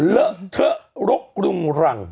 เลอะเทอะรกรุงรัง